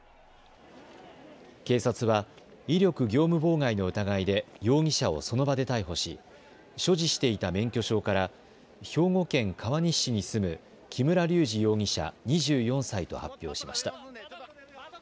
警察は威力業務妨害の疑いで容疑者をその場で逮捕し所持していた免許証から兵庫県川西市に住む木村隆二容疑者、２４歳と発表しました。